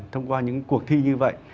thông qua những cuộc thi như vậy